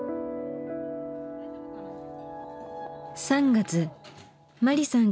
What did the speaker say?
３月マリさん